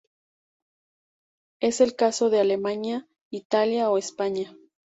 Es el caso de Alemania, Italia o España.